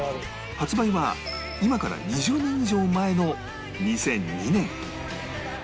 発売は今から２０年以上前の２００２年